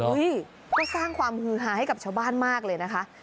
ก็สร้างความฮือฮาให้กับชาวบ้านมากเลยนะคะ